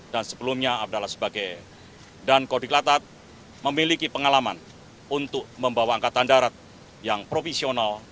dan sebelumnya adalah sebagai dan kodiklatat memiliki pengalaman untuk membawa angkatan darat yang profesional